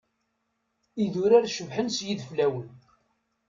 Idurar cebḥen s yideflawen.